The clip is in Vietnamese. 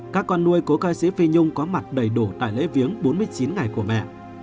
các con nuôi cố ca sĩ phi nhung có mặt đầy đủ tại lễ viếng bốn mươi chín ngày của mẹ